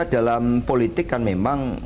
dalam politik kan memang